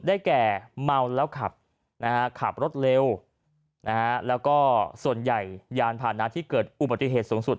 ได้แก่เมาแล้วขับขับรถเร็วแล้วก็ส่วนใหญ่ยานพาดนานที่เกิดอุบัติเหตุสูงสุด